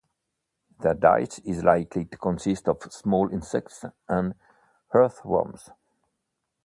Their diet is likely to consist of small insects and earthworms.